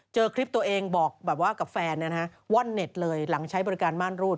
เจอคลิปตัวเองบอกแบบว่ากับแฟนนะฮะว่านเน็ตเลยหลังใช้บริการม่านรูด